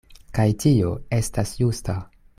Kaj tio estas justa.